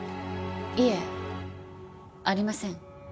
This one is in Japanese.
いえありません。